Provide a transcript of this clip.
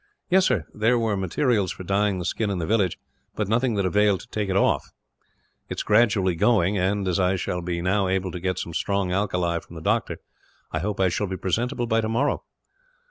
"Yes, sir. There were materials for dyeing the skin in the village, but nothing that availed to take it off. It is gradually going and, as I shall be now able to get some strong alkali, from the doctor, I hope I shall be presentable by tomorrow."